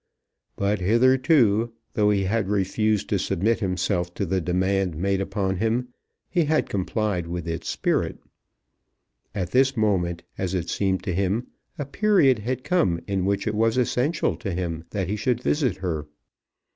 But hitherto, though he had refused to submit himself to the demand made upon him, he had complied with its spirit. At this moment, as it seemed to him, a period had come in which it was essential to him that he should visit her.